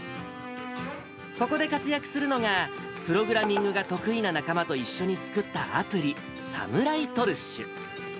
ここで活躍するのが、プログラミングが得意な仲間と一緒に作ったアプリ、サムライトルッシュ。